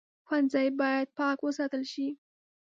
ښوونځی باید پاک وساتل شي